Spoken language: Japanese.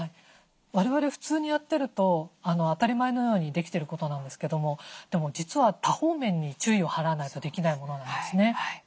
我々普通にやってると当たり前のようにできてることなんですけどもでも実は多方面に注意を払わないとできないものなんですね。